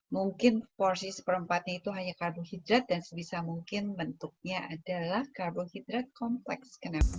mungkin porsi seperempatnya itu hanya karbohidrat dan sebisa mungkin bentuknya adalah karbohidrat kompleks kenapa